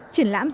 triển lãm dạng